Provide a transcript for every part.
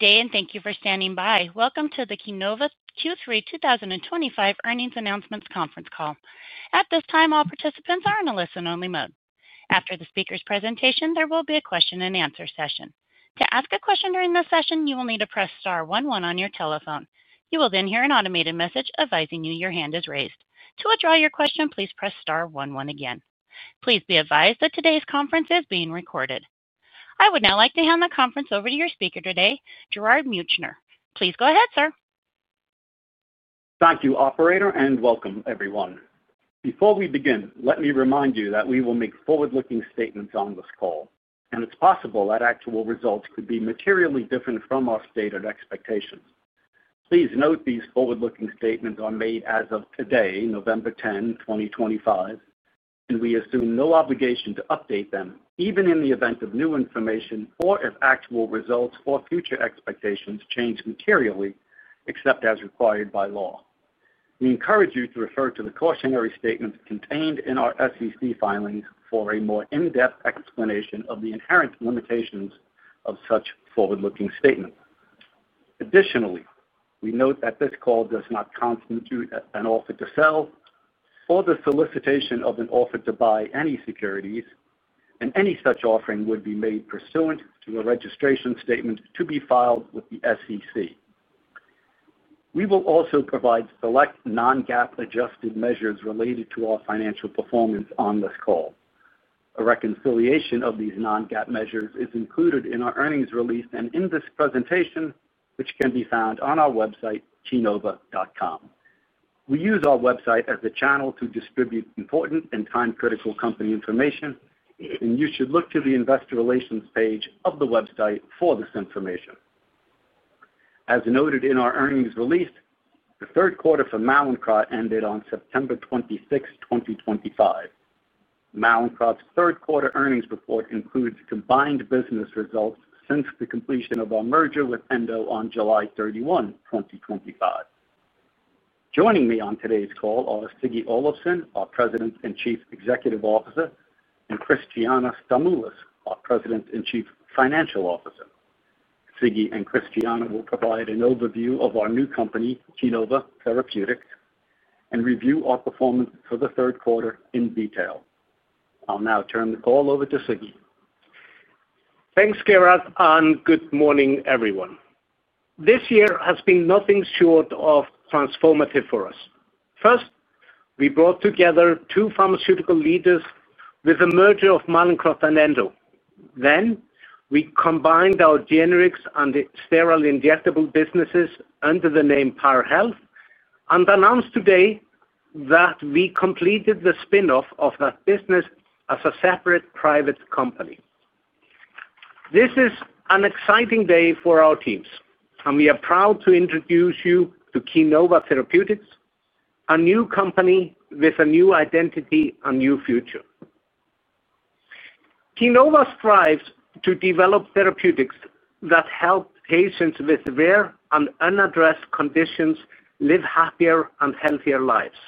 Today, and thank you for standing by. Welcome to the Keenova Q3 2025 earnings announcements conference call. At this time, all participants are in a listen-only mode. After the speaker's presentation, there will be a question and answer session. To ask a question during this session, you will need to press star one one on your telephone. You will then hear an automated message advising you your hand is raised. To withdraw your question, please press star one one again. Please be advised that today's conference is being recorded. I would now like to hand the conference over to your speaker today, Gerard Meuchner. Please go ahead, sir. Thank you, operator, and welcome, everyone. Before we begin, let me remind you that we will make forward-looking statements on this call, and it's possible that actual results could be materially different from our stated expectations. Please note these forward-looking statements are made as of today, November 10th, 2025, and we assume no obligation to update them, even in the event of new information or if actual results or future expectations change materially, except as required by law. We encourage you to refer to the cautionary statements contained in our SEC filings for a more in-depth explanation of the inherent limitations of such forward-looking statements. Additionally, we note that this call does not constitute an offer to sell or the solicitation of an offer to buy any securities, and any such offering would be made pursuant to a registration statement to be filed with the SEC. We will also provide select non-GAAP adjusted measures related to our financial performance on this call. A reconciliation of these non-GAAP measures is included in our earnings release and in this presentation, which can be found on our website, keenova.com. We use our website as a channel to distribute important and time-critical company information, and you should look to the investor relations page of the website for this information. As noted in our earnings release, the third quarter for Mallinckrodt ended on September 26th, 2025. Mallinckrodt's third quarter earnings report includes combined business results since the completion of our merger with Endo on July 31, 2025. Joining me on today's call are Siggi Olafsson, our President and Chief Executive Officer, and Christiana Stamoulis, our President and Chief Financial Officer. Siggy and Christiana will provide an overview of our new company, Keenova Therapeutics, and review our performance for the third quarter in detail. I'll now turn the call over to Siggy. Thanks, Gerard, and good morning, everyone. This year has been nothing short of transformative for us. First, we brought together two pharmaceutical leaders with the merger of Mallinckrodt and Endo. Then, we combined our generics and sterile injectable businesses under the name Power Health and announced today that we completed the spinoff of that business as a separate private company. This is an exciting day for our teams, and we are proud to introduce you to Keenova Therapeutics, a new company with a new identity and new future. Keenova strives to develop therapeutics that help patients with rare and unaddressed conditions live happier and healthier lives.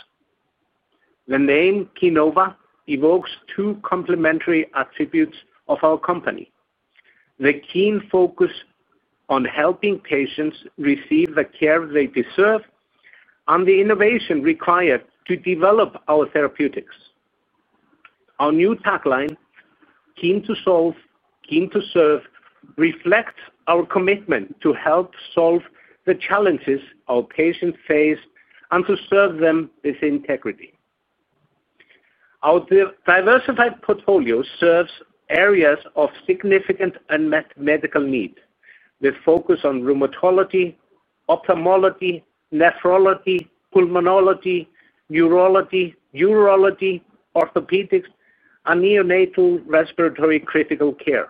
The name Keenova evokes two complementary attributes of our company: the keen focus on helping patients receive the care they deserve and the innovation required to develop our therapeutics. Our new tagline, "Keen to solve, keen to serve," reflects our commitment to help solve the challenges our patients face and to serve them with integrity. Our diversified portfolio serves areas of significant and unmet medical need with focus on rheumatology, ophthalmology, nephrology, pulmonology, neurology, urology, orthopedics, and neonatal respiratory critical care.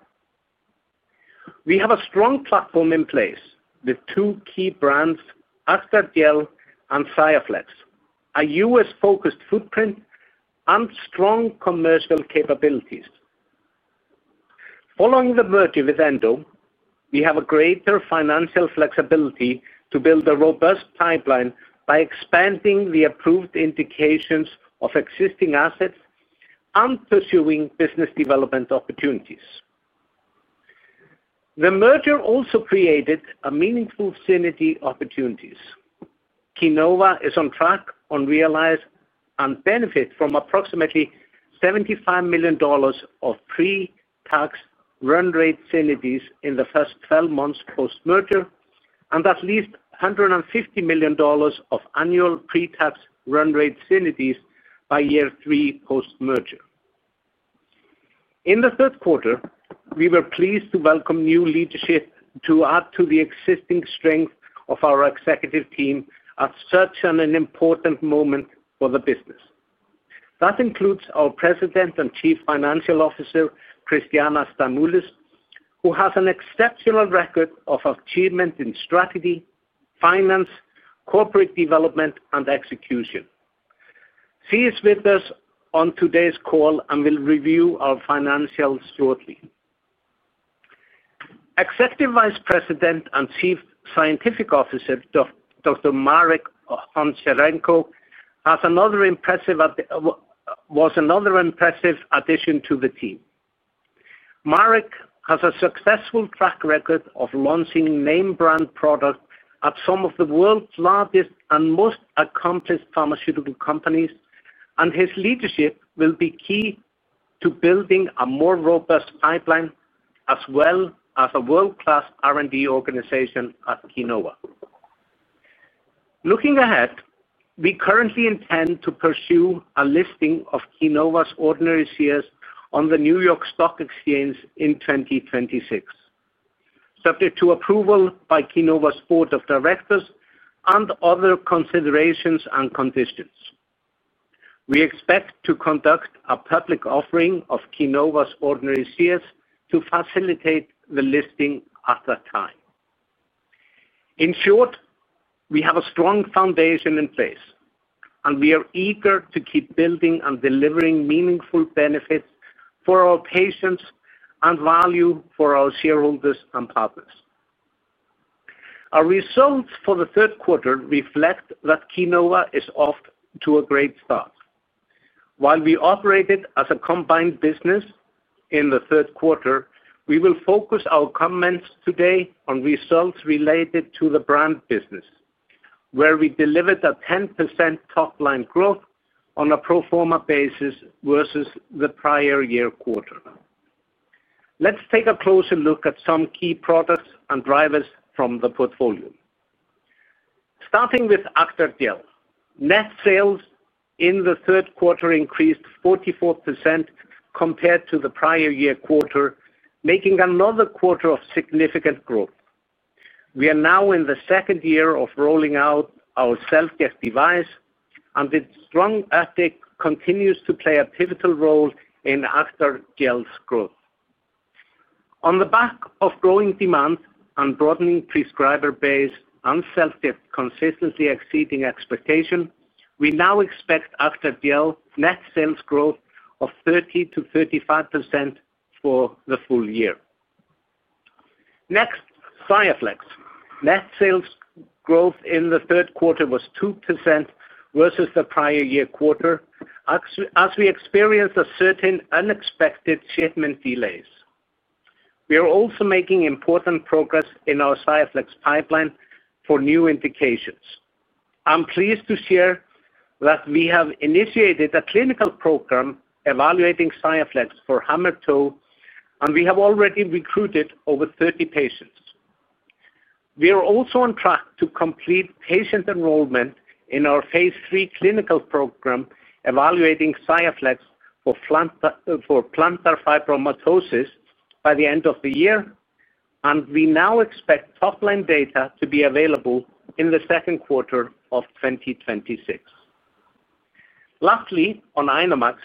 We have a strong platform in place with two key brands, Acthar Gel and XIAFLEX, a U.S.-focused footprint and strong commercial capabilities. Following the merger with Endo, we have greater financial flexibility to build a robust pipeline by expanding the approved indications of existing assets and pursuing business development opportunities. The merger also created meaningful synergy opportunities. Keenova is on track to realize and benefit from approximately $75 million of pre-tax run-rate synergies in the first 12 months post-merger and at least $150 million of annual pre-tax run-rate synergies by year three post-merger. In the third quarter, we were pleased to welcome new leadership to add to the existing strength of our executive team at such an important moment for the business. That includes our President and Chief Financial Officer, Christiana Stamoulis, who has an exceptional record of achievement in strategy, finance, corporate development, and execution. She is with us on today's call and will review our financials shortly. Executive Vice President and Chief Scientific Officer, Dr. Marek Honczarenko, was another impressive addition to the team. Marek has a successful track record of launching name-brand products at some of the world's largest and most accomplished pharmaceutical companies, and his leadership will be key to building a more robust pipeline as well as a world-class R&D organization at Keenova. Looking ahead, we currently intend to pursue a listing of Keenova's ordinary shares on the New York Stock Exchange in 2026, subject to approval by Keenova's Board of Directors and other considerations and conditions. We expect to conduct a public offering of Keenova's ordinary shares to facilitate the listing at that time. In short, we have a strong foundation in place, and we are eager to keep building and delivering meaningful benefits for our patients and value for our shareholders and partners. Our results for the third quarter reflect that Keenova is off to a great start. While we operated as a combined business in the third quarter, we will focus our comments today on results related to the brand business, where we delivered a 10% top-line growth on a pro forma basis versus the prior year quarter. Let's take a closer look at some key products and drivers from the portfolio. Starting with Acthar Gel, net sales in the third quarter increased 44% compared to the prior year quarter, making another quarter of significant growth. We are now in the second year of rolling out our self-dip device, and its strong effect continues to play a pivotal role in Acthar Gel's growth. On the back of growing demand and broadening prescriber base and self-dip consistently exceeding expectation, we now expect Acthar Gel's net sales growth of 30%-35% for the full year. Next, XIAFLEX. Net sales growth in the third quarter was 2% versus the prior year quarter, as we experienced certain unexpected shipment delays. We are also making important progress in our XIAFLEX pipeline for new indications. I'm pleased to share that we have initiated a clinical program evaluating XIAFLEX for hammer toe, and we have already recruited over 30 patients. We are also on track to complete patient enrollment in our phase III clinical program evaluating XIAFLEX for plantar fibromatosis by the end of the year, and we now expect top-line data to be available in the second quarter of 2026. Lastly, on INOmax,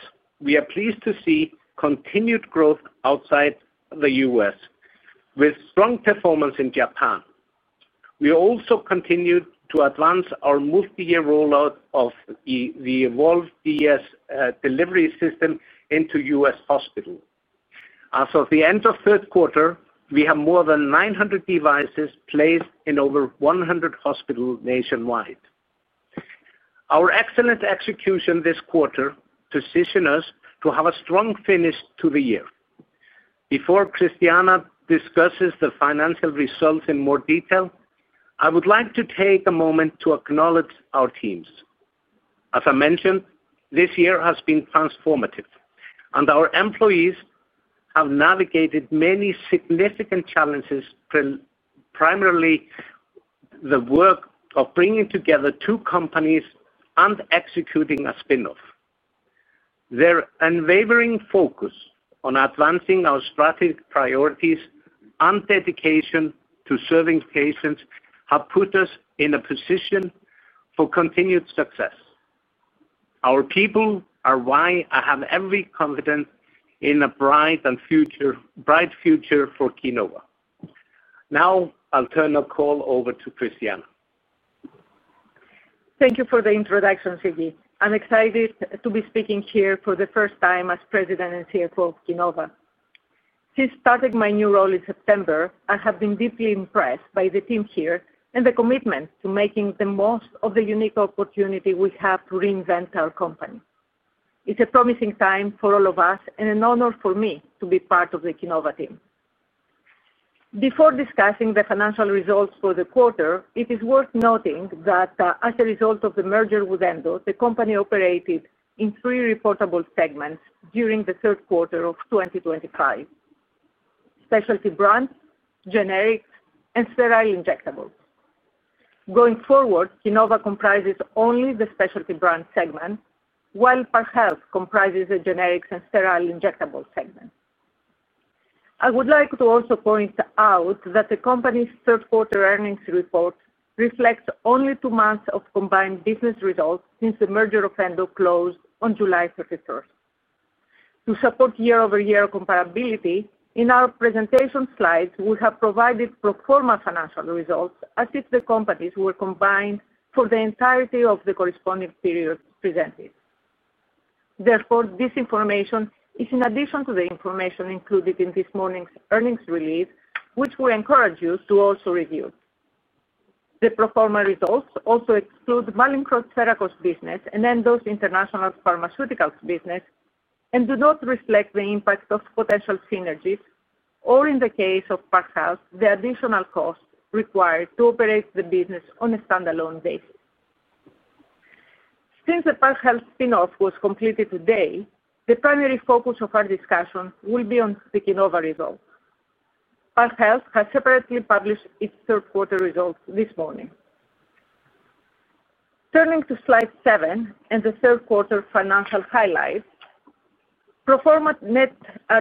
we are pleased to see continued growth outside the U.S. with strong performance in Japan. We also continued to advance our multi-year rollout of the EVOLVE DS delivery system into U.S. hospitals. As of the end of third quarter, we have more than 900 devices placed in over 100 hospitals nationwide. Our excellent execution this quarter positioned us to have a strong finish to the year. Before Christiana discusses the financial results in more detail, I would like to take a moment to acknowledge our teams. As I mentioned, this year has been transformative, and our employees have navigated many significant challenges, primarily the work of bringing together two companies and executing a spinoff. Their unwavering focus on advancing our strategic priorities and dedication to serving patients have put us in a position for continued success. Our people are why I have every confidence in a bright future for Keenova. Now, I'll turn the call over to Christiana. Thank you for the introduction, Siggy. I'm excited to be speaking here for the first time as President and CFO of Keenova. Since starting my new role in September, I have been deeply impressed by the team here and the commitment to making the most of the unique opportunity we have to reinvent our company. It's a promising time for all of us and an honor for me to be part of the Keenova team. Before discussing the financial results for the quarter, it is worth noting that as a result of the merger with Endo, the company operated in three reportable segments during the third quarter of 2025: specialty brands, generics, and sterile injectables. Going forward, Keenova comprises only the specialty brand segment, while Par Health comprises the generics and sterile injectable segment. I would like to also point out that the company's third-quarter earnings report reflects only two months of combined business results since the merger of Endo closed on July 31st. To support year-over-year comparability, in our presentation slides, we have provided pro forma financial results as if the companies were combined for the entirety of the corresponding period presented. Therefore, this information is in addition to the information included in this morning's earnings release, which we encourage you to also review. The pro forma results also exclude Mallinckrodt's pharmacos business and Endo's international pharmaceuticals business and do not reflect the impact of potential synergies, or in the case of Par Health, the additional costs required to operate the business on a standalone basis. Since the Par Health spinoff was completed today, the primary focus of our discussion will be on the Keenova results. Par Health has separately published its third-quarter results this morning. Turning to slide seven and the third-quarter financial highlights, pro forma net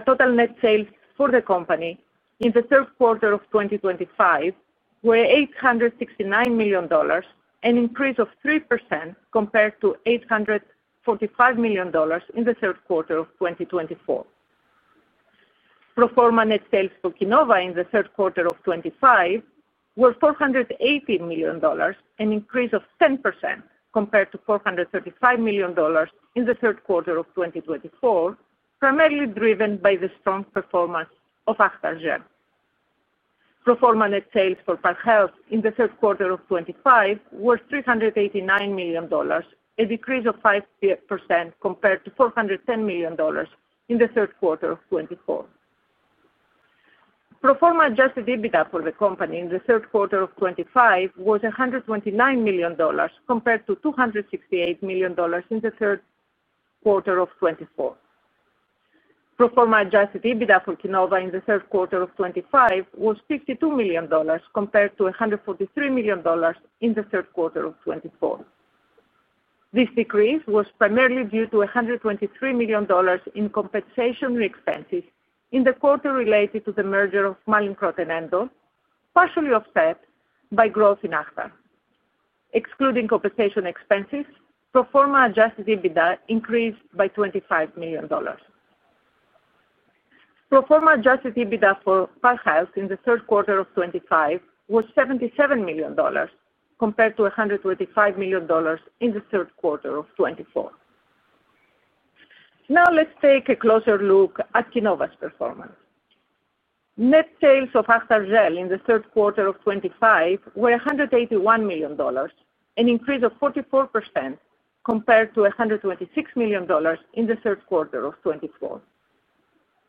total net sales for the company in the third quarter of 2025 were $869 million, an increase of 3% compared to $845 million in the third quarter of 2024. Pro forma net sales for Keenova in the third quarter of 2025 were $480 million, an increase of 10% compared to $435 million in the third quarter of 2024, primarily driven by the strong performance of Acthar Gel. Pro forma net sales for Par Health in the third quarter of 2025 were $389 million, a decrease of 5% compared to $410 million in the third quarter of 2024. Pro forma adjusted EBITDA for the company in the third quarter of 2025 was $129 million compared to $268 million in the third quarter of 2024. Pro forma adjusted EBITDA for Keenova in the third quarter of 2025 was $62 million compared to $143 million in the third quarter of 2024. This decrease was primarily due to $123 million in compensation expenses in the quarter related to the merger of Mallinckrodt and Endo, partially offset by growth in Acthar. Excluding compensation expenses, pro forma adjusted EBITDA increased by $25 million. Pro forma adjusted EBITDA for Par Health in the third quarter of 2025 was $77 million compared to $125 million in the third quarter of 2024. Now, let's take a closer look at Keenova's performance. Net sales of Acthar Gel in the third quarter of 2025 were $181 million, an increase of 44% compared to $126 million in the third quarter of 2024.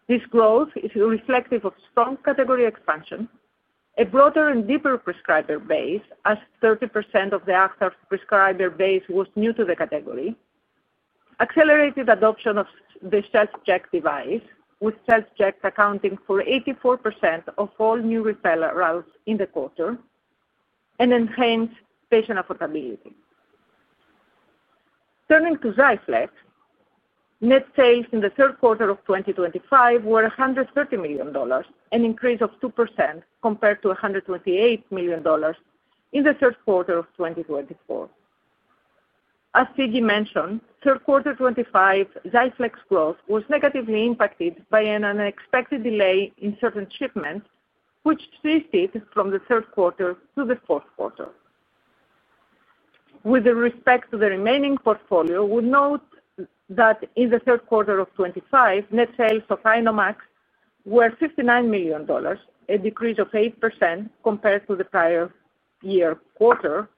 This growth is reflective of strong category expansion, a broader and deeper prescriber base as 30% of the Acthar prescriber base was new to the category, accelerated adoption of the self-dip device, with self-dip accounting for 84% of all new referrals in the quarter, and enhanced patient affordability. Turning to XIAFLEX, net sales in the third quarter of 2025 were $130 million, an increase of 2% compared to $128 million in the third quarter of 2024. As Siggy mentioned, third quarter 2025, XIAFLEX growth was negatively impacted by an unexpected delay in certain shipments, which shifted from the third quarter to the fourth quarter. With respect to the remaining portfolio, we note that in the third quarter of 2025, net sales of INOmax were $59 million, a decrease of 8% compared to the prior year quarter,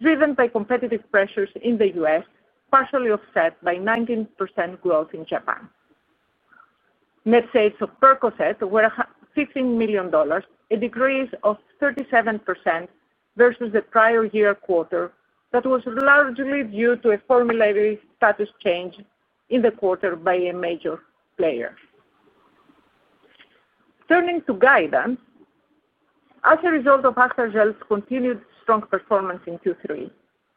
driven by competitive pressures in the U.S., partially offset by 19% growth in Japan. Net sales of PERCOCET were $15 million, a decrease of 37% versus the prior year quarter that was largely due to a formula status change in the quarter by a major player. Turning to guidance, as a result of Acthar Gel's continued strong performance in Q3,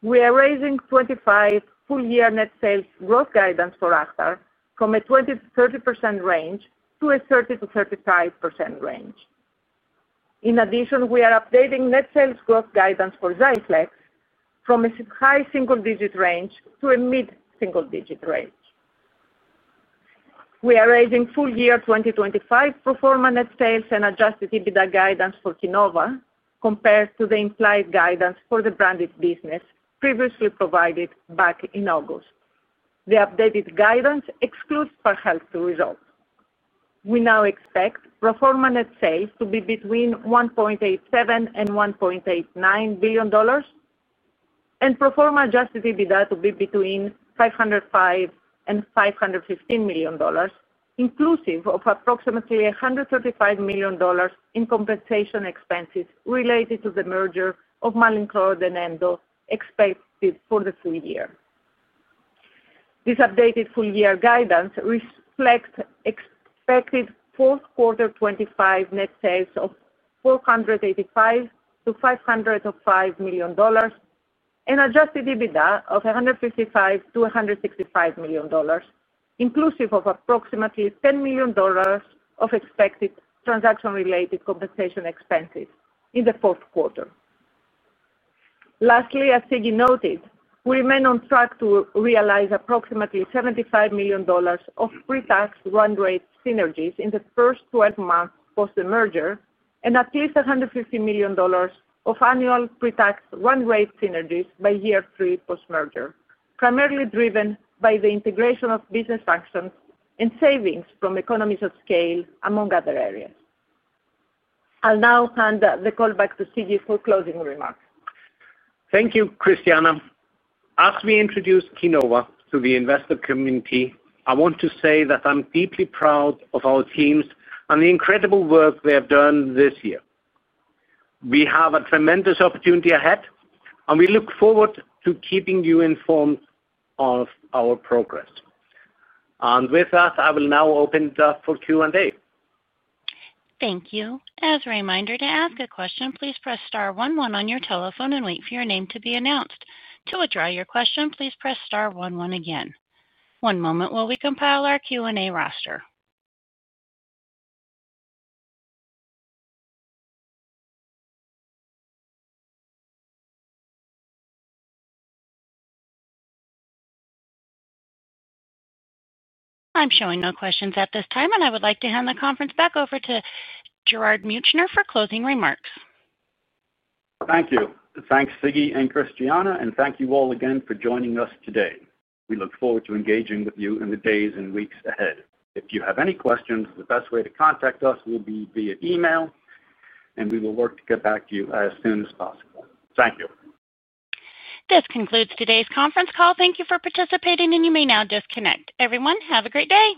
we are raising 2025 full-year net sales growth guidance for Acthar from a 20%-30% range to a 30%-35% range. In addition, we are updating net sales growth guidance for XIAFLEX from a high single-digit range to a mid-single-digit range. We are raising full-year 2025 pro forma net sales and adjusted EBITDA guidance for Keenova compared to the implied guidance for the branded business previously provided back in August. The updated guidance excludes Par Health's results. We now expect pro forma net sales to be between $1.87 billion and $1.89 billion, and pro forma adjusted EBITDA to be between $505 million and $515 million, inclusive of approximately $135 million in compensation expenses related to the merger of Mallinckrodt and Endo expected for the full year. This updated full-year guidance reflects expected fourth quarter 2025 net sales of $485 million-$505 million and adjusted EBITDA of $155 million-$165 million, inclusive of approximately $10 million of expected transaction-related compensation expenses in the fourth quarter. Lastly, as Siggy noted, we remain on track to realize approximately $75 million of pre-tax run-rate synergies in the first 12 months post-merger and at least $150 million of annual pre-tax run-rate synergies by year three post-merger, primarily driven by the integration of business functions and savings from economies of scale, among other areas. I'll now hand the call back to Siggy for closing remarks. Thank you, Christiana. As we introduce Keenova to the investor community, I want to say that I'm deeply proud of our teams and the incredible work they have done this year. We have a tremendous opportunity ahead, and we look forward to keeping you informed of our progress. I will now open it up for Q&A. Thank you. As a reminder, to ask a question, please press star one one on your telephone and wait for your name to be announced. To withdraw your question, please press star one one again. One moment while we compile our Q&A roster. I'm showing no questions at this time, and I would like to hand the conference back over to Gerard Meuchner for closing remarks. Thank you. Thanks, Siggy and Christiana, and thank you all again for joining us today. We look forward to engaging with you in the days and weeks ahead. If you have any questions, the best way to contact us will be via email, and we will work to get back to you as soon as possible. Thank you. This concludes today's conference call. Thank you for participating, and you may now disconnect. Everyone, have a great day.